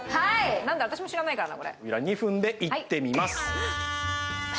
なんだ、私も知らないからね。